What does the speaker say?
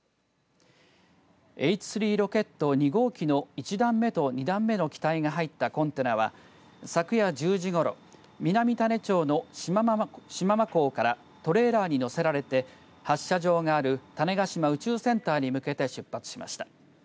Ｈ３ロケット２号機の１段目と２段目の機体が入ったコンテナは昨夜１０時ごろ南種子町の島間港からトレーラーに載せられて発射場がある種子島宇宙センターに向けて出発しました。